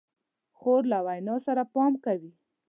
خور له وینا سره پام کوي.